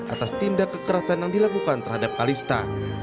atas tindak kekerasan yang dilakukan terhadap kalista